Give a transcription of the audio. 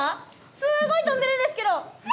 すごい飛んでるんですけど。